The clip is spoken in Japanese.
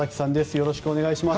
よろしくお願いします。